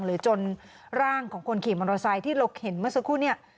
หรือจนร่างของคนขี่มอเตอร์ไซค์ที่เราเห็นเมื่อสักครู่เนี่ย